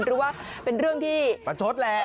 หรือว่าเป็นเรื่องที่ประชดแหละ